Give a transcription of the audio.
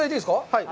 はい。